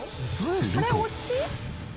すると。